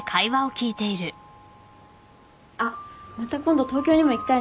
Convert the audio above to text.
あっまた今度東京にも行きたいな。